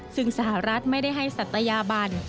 ซึ่งสหรัฐไม่ได้ให้สัตยาบัน